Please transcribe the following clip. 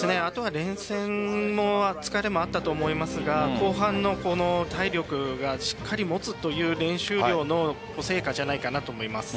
後は連戦の疲れもあったと思いますが後半の体力がしっかりもつという練習量の成果じゃないかと思います。